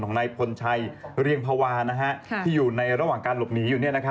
ของในบฟนชัยเรียงภาวาที่อยู่ระหว่างระหว่างการหลบหนี